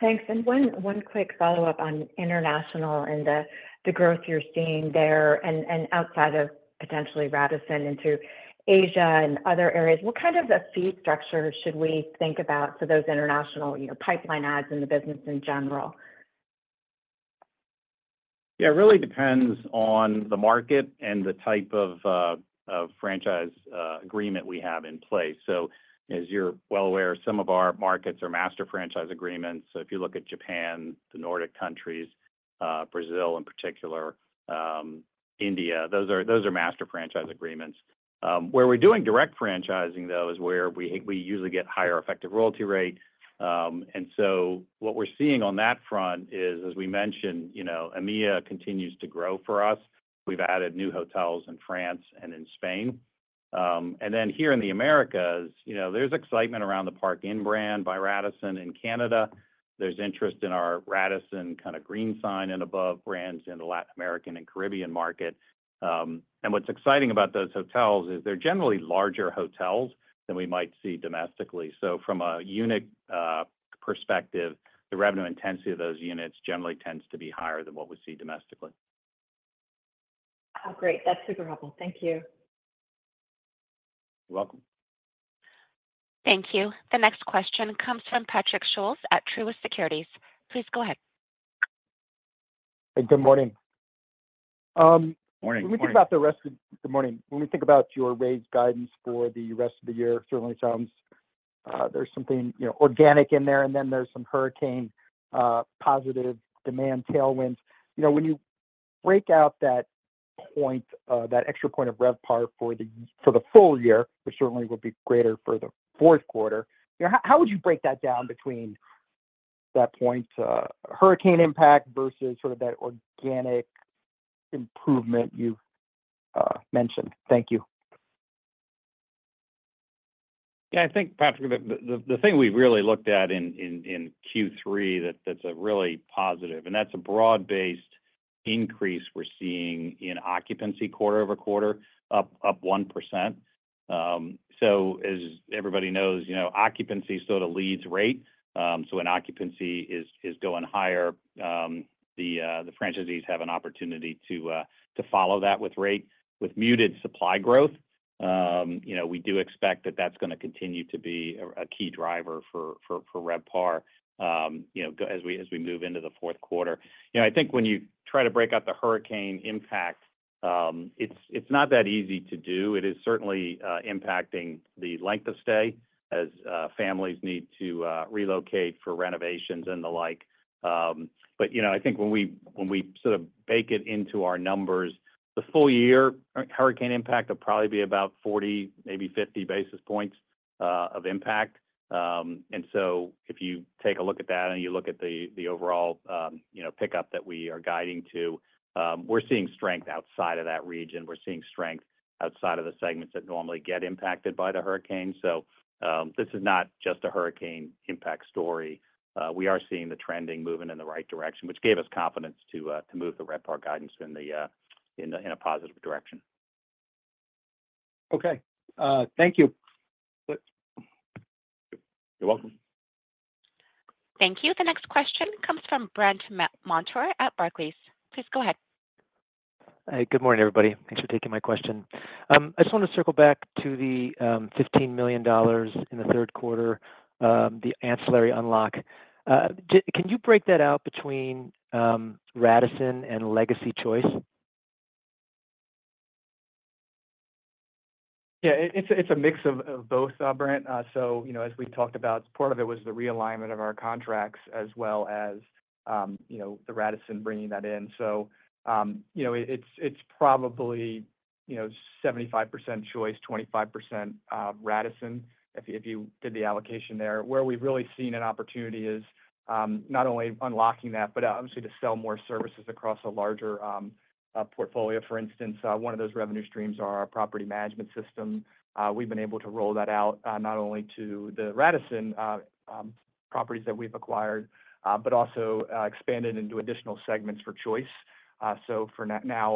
Thanks. And one quick follow-up on international and the growth you're seeing there and outside of potentially Radisson into Asia and other areas. What kind of a fee structure should we think about for those international pipeline adds and the business in general? It really depends on the market and the type of franchise agreement we have in place. So as you're well aware, some of our markets are master franchise agreements. So if you look at Japan, the Nordic countries, Brazil in particular, India, those are master franchise agreements. Where we're doing direct franchising, though, is where we usually get higher effective royalty rate. And so what we're seeing on that front is, as we mentioned, EMEA continues to grow for us. We've added new hotels in France and in Spain. And then here in the Americas, there's excitement around the Park Inn brand by Radisson in Canada. There's interest in our Radisson kind of green sign and above brands in the Latin American and Caribbean market. And what's exciting about those hotels is they're generally larger hotels than we might see domestically. So from a unit perspective, the revenue intensity of those units generally tends to be higher than what we see domestically. Great. That's super helpful. Thank you. You're welcome. Thank you. The next question comes from Patrick Scholes at Truist Securities. Please go ahead. Good morning. When we think about your raised guidance for the rest of the year, certainly sounds there's something organic in there, and then there's some hurricane-positive demand tailwinds. When you break out that extra point of RevPAR for the full year, which certainly would be greater for the fourth quarter, how would you break that down between that point, hurricane impact versus sort of that organic improvement you've mentioned? Thank you. I think, Patrick, the thing we really looked at in Q3 that's really positive, and that's a broad-based increase we're seeing in occupancy quarter over quarter, up 1%. So as everybody knows, occupancy sort of leads rate. So when occupancy is going higher, the franchisees have an opportunity to follow that with rate. With muted supply growth, we do expect that that's going to continue to be a key driver for RevPAR as we move into the fourth quarter. I think when you try to break out the hurricane impact, it's not that easy to do. It is certainly impacting the length of stay as families need to relocate for renovations and the like. But I think when we sort of bake it into our numbers, the full-year hurricane impact will probably be about 40, maybe 50 basis points of impact. And so if you take a look at that and you look at the overall pickup that we are guiding to, we're seeing strength outside of that region. We're seeing strength outside of the segments that normally get impacted by the hurricane. So this is not just a hurricane impact story. We are seeing the trend moving in the right direction, which gave us confidence to move the RevPAR guidance in a positive direction. Okay. Thank you. You're welcome. Thank you. The next question comes from Brandt Montour at Barclays. Please go ahead. Hey. Good morning, everybody. Thanks for taking my question. I just want to circle back to the $15 million in the third quarter, the ancillary unlock. Can you break that out between Radisson and Legacy Choice? It's a mix of both, Brandt. So as we talked about, part of it was the realignment of our contracts as well as the Radisson bringing that in. So it's probably 75% Choice, 25% Radisson if you did the allocation there. Where we've really seen an opportunity is not only unlocking that, but obviously to sell more services across a larger portfolio. For instance, one of those revenue streams are our property management system. We've been able to roll that out not only to the Radisson properties that we've acquired, but also expanded into additional segments for Choice. So now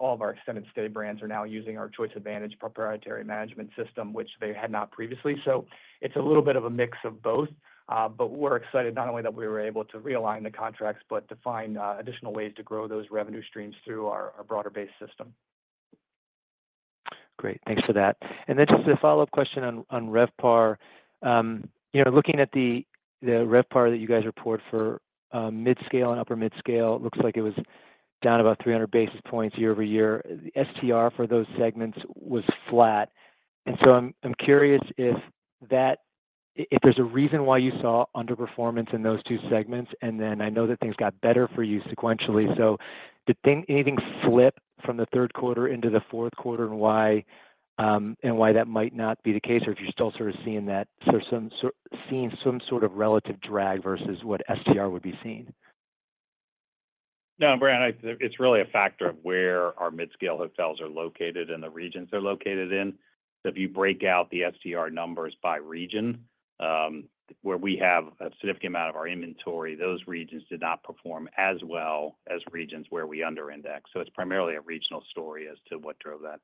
all of our extended stay brands are now using our Choice Advantage proprietary management system, which they had not previously. So it's a little bit of a mix of both. But we're excited not only that we were able to realign the contracts, but to find additional ways to grow those revenue streams through our broader-based system. Great. Thanks for that. And then just a follow-up question on RevPAR. Looking at the RevPAR that you guys report for mid-scale and upper mid-scale, it looks like it was down about 300 basis points year-over-year. The STR for those segments was flat. And so I'm curious if there's a reason why you saw underperformance in those two segments. And then I know that things got better for you sequentially. So did anything flip from the third quarter into the fourth quarter and why that might not be the case, or if you're still sort of seeing some sort of relative drag versus what STR would be seeing? No, Brandt. It's really a factor of where our mid-scale hotels are located and the regions they're located in. So if you break out the STR numbers by region, where we have a significant amount of our inventory, those regions did not perform as well as regions where we underindex. So it's primarily a regional story as to what drove that.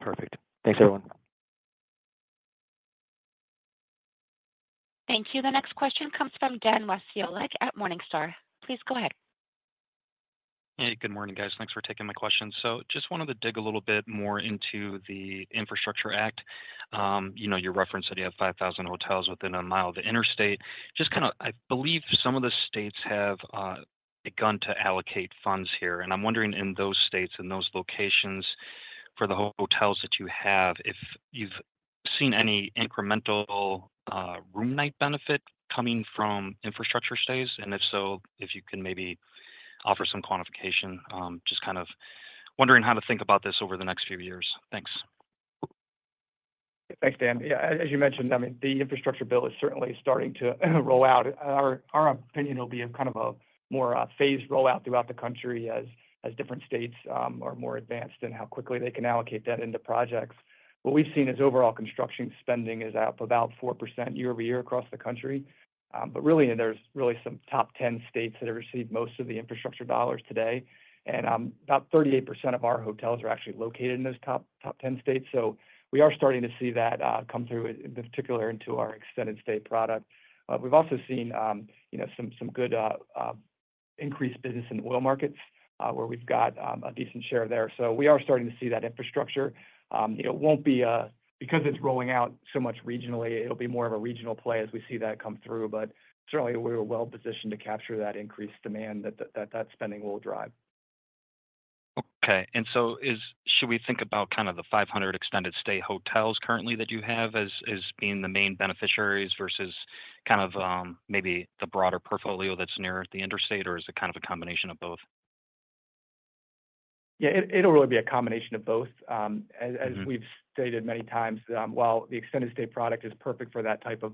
Perfect. Thanks, everyone. Thank you. The next question comes from Dan Wasiolek at Morningstar. Please go ahead. Hey. Good morning, guys. Thanks for taking my questions. So just wanted to dig a little bit more into the Infrastructure Act. You referenced that you have 5,000 hotels within a mile of the interstate. Just kind of, I believe some of the states have begun to allocate funds here. And I'm wondering in those states and those locations for the hotels that you have, if you've seen any incremental room night benefit coming from infrastructure stays? And if so, if you can maybe offer some quantification. Just kind of wondering how to think about this over the next few years. Thanks. Thanks, Dan. As you mentioned, I mean, the infrastructure bill is certainly starting to roll out. Our opinion will be kind of a more phased rollout throughout the country as different states are more advanced and how quickly they can allocate that into projects. What we've seen is overall construction spending is up about 4% year-over-year across the country. But really, there's some top 10 states that have received most of the infrastructure dollars today. And about 38% of our hotels are actually located in those top 10 states. So we are starting to see that come through, in particular, into our extended stay product. We've also seen some good increased business in the oil markets, where we've got a decent share there. So we are starting to see that infrastructure. It won't be because it's rolling out so much regionally, it'll be more of a regional play as we see that come through. But certainly, we were well-positioned to capture that increased demand that spending will drive. Okay, and so should we think about kind of the 500 extended stay hotels currently that you have as being the main beneficiaries versus kind of maybe the broader portfolio that's near the interstate, or is it kind of a combination of both? It'll really be a combination of both. As we've stated many times, while the extended stay product is perfect for that type of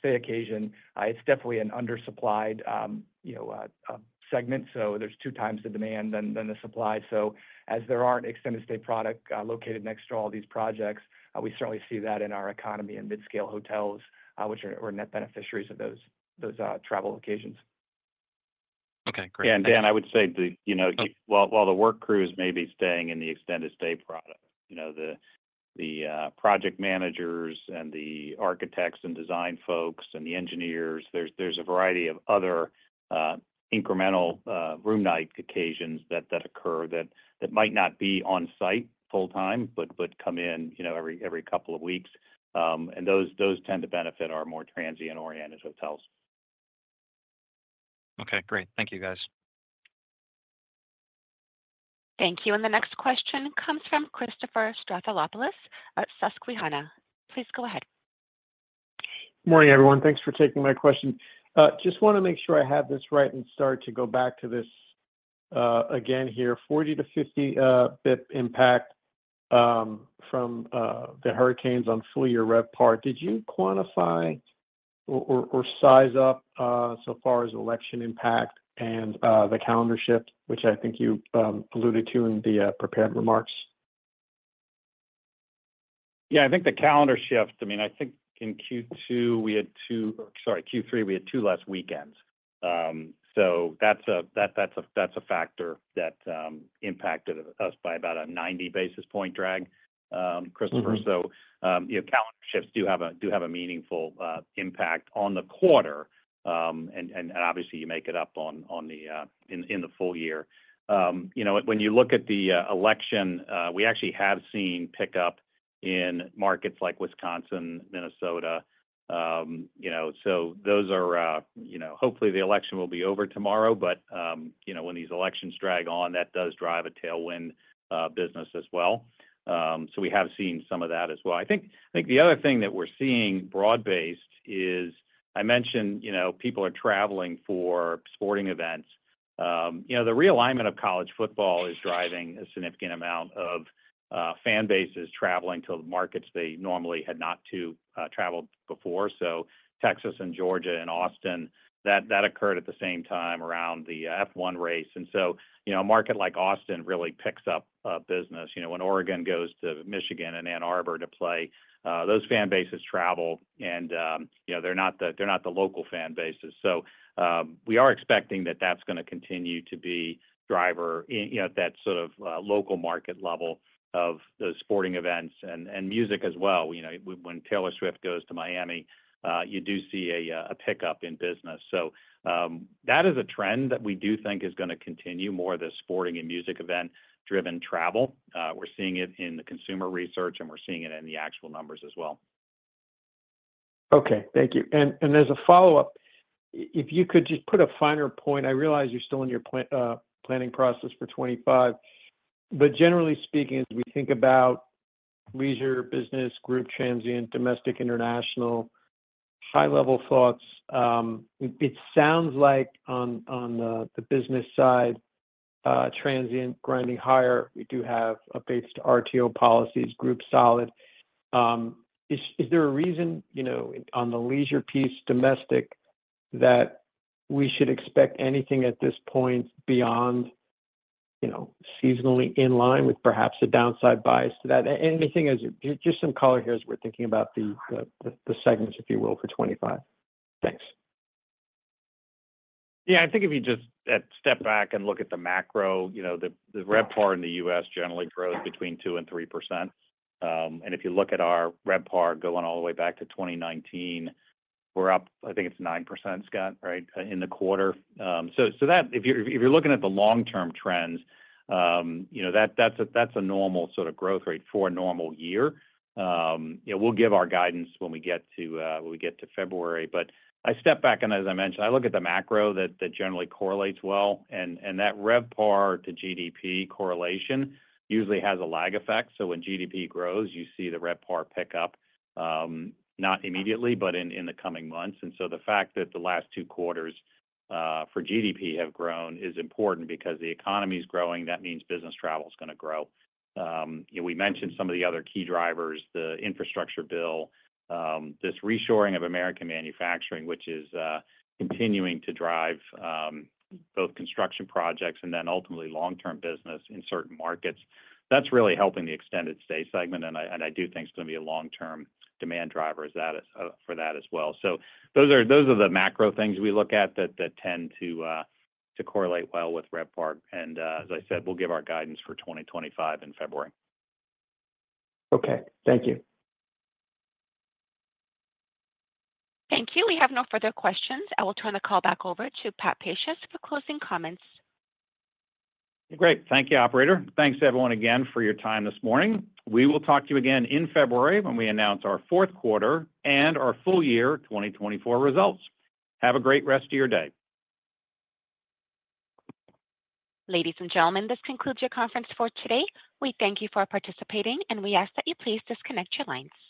stay occasion, it's definitely an undersupplied segment. So there's 2x the demand than the supply. So as there aren't extended stay products located next to all these projects, we certainly see that in our economy and mid-scale hotels, which are net beneficiaries of those travel occasions. Okay. Great. Dan, I would say that while the work crew is maybe staying in the extended stay product, the project managers and the architects and design folks and the engineers, there's a variety of other incremental room night occasions that occur that might not be on-site full-time but come in every couple of weeks. And those tend to benefit our more transient-oriented hotels. Okay. Great. Thank you, guys. Thank you. And the next question comes from Christopher Stathoulopoulos at Susquehanna. Please go ahead. Morning, everyone. Thanks for taking my question. Just want to make sure I have this right and start to go back to this again here. 40-50 basis points impact from the hurricanes on full-year RevPAR. Did you quantify or size up so far as election impact and the calendar shift, which I think you alluded to in the prepared remarks? I think the calendar shift, I mean, I think in Q2, we had two or sorry, Q3, we had two less weekends. So that's a factor that impacted us by about a 90 basis point drag, Christopher. So calendar shifts do have a meaningful impact on the quarter, and obviously, you make it up in the full year. When you look at the election, we actually have seen pickup in markets like Wisconsin, Minnesota. So those are, hopefully, the election will be over tomorrow, but when these elections drag on, that does drive a tailwind business as well, so we have seen some of that as well. I think the other thing that we're seeing broad-based is I mentioned people are traveling for sporting events. The realignment of college football is driving a significant amount of fan bases traveling to markets they normally had not to travel before. So Texas and Georgia and Austin, that occurred at the same time around the F1 race. And so a market like Austin really picks up business. When Oregon goes to Michigan and Ann Arbor to play, those fan bases travel, and they're not the local fan bases. So we are expecting that that's going to continue to be a driver at that sort of local market level of those sporting events and music as well. When Taylor Swift goes to Miami, you do see a pickup in business. So that is a trend that we do think is going to continue more of the sporting and music event-driven travel. We're seeing it in the consumer research, and we're seeing it in the actual numbers as well. Okay. Thank you. As a follow-up, if you could just put a finer point, I realize you're still in your planning process for 2025. But generally speaking, as we think about leisure business, group transient, domestic, international, high-level thoughts, it sounds like on the business side, transient grinding higher, we do have updates to RTO policies, group solid. Is there a reason on the leisure piece, domestic, that we should expect anything at this point beyond seasonally in line with perhaps a downside bias to that? Anything as just some color here as we're thinking about the segments, if you will, for 2025. Thanks. I think if you just step back and look at the macro, the RevPAR in the U.S. generally grows between 2% and 3%. And if you look at our RevPAR going all the way back to 2019, we're up, I think it's 9%, Scott, right, in the quarter. So if you're looking at the long-term trends, that's a normal sort of growth rate for a normal year. We'll give our guidance when we get to February. But I step back, and as I mentioned, I look at the macro that generally correlates well. And that RevPAR to GDP correlation usually has a lag effect. So when GDP grows, you see the RevPAR pick up, not immediately, but in the coming months. And so the fact that the last two quarters for GDP have grown is important because the economy is growing. That means business travel is going to grow. We mentioned some of the other key drivers, the infrastructure bill, this reshoring of American manufacturing, which is continuing to drive both construction projects and then ultimately long-term business in certain markets. That's really helping the extended stay segment. And I do think it's going to be a long-term demand driver for that as well. So those are the macro things we look at that tend to correlate well with RevPAR. And as I said, we'll give our guidance for 2025 in February. Okay. Thank you. Thank you. We have no further questions. I will turn the call back over to Pat Pacious for closing comments. Great. Thank you, operator. Thanks, everyone, again for your time this morning. We will talk to you again in February when we announce our fourth quarter and our full-year 2024 results. Have a great rest of your day. Ladies and gentlemen, this concludes your conference for today. We thank you for participating, and we ask that you please disconnect your lines.